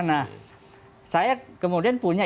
nah saya kemudian punya